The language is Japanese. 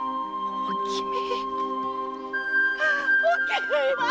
おきみ！